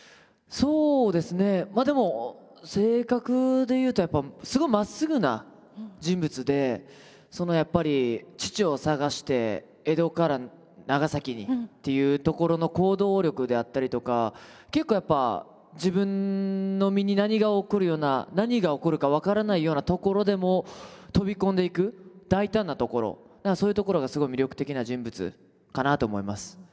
そうですねまあでも性格で言うとやっぱすごいまっすぐな人物でやっぱり父を捜して江戸から長崎にっていうところの行動力であったりとか結構やっぱ自分の身に何が起こるか分からないようなところでも飛び込んでいく大胆なところそういうところがすごい魅力的な人物かなと思います。